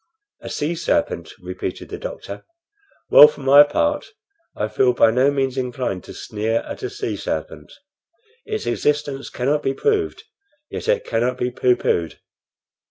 "A sea serpent!" repeated the doctor. "Well, for my part I feel by no means inclined to sneer at a sea serpent. Its existence cannot be proved, yet it cannot be pooh poohed.